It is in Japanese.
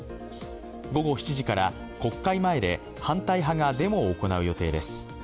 午後７時から国会前で反対派がデモを行う予定です。